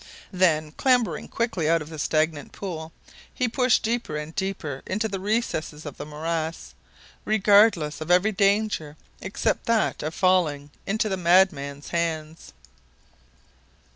Then, clambering quickly out of the stagnant pool, he pushed deeper and deeper into the recesses of the morass, regardless of every danger, except that of falling into the madman's hands.